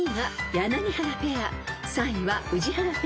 ［３位は宇治原ペア］